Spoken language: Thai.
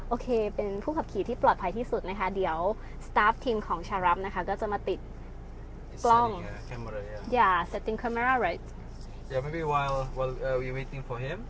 โอเคเป็นผู้ขับขี่ที่ปลอดภัยที่สุดนะคะเดี๋ยวสตาร์ฟทีมของชารับนะคะก็จะมาติดกล้อง